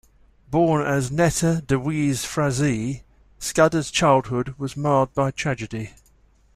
Born as Netta Deweze Frazee, Scudder's childhood was marred by tragedy.